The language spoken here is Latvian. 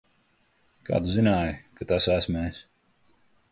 Kā tu zināji, ka tas esmu es?